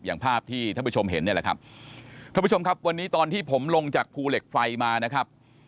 อย่างภาพที่ท่านผู้ชมเห็นเนี่ยแหละครับท่านผู้ชมครับวันนี้ตอนที่ผมลงจากภูเหล็กไฟมานะครับ